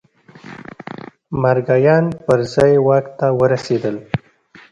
مارګایان پر ځای واک ته ورسېدل.